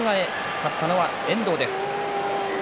勝ったのは遠藤です。